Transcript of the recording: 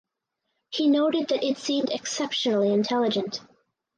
He noted that it seemed exceptionally intelligent.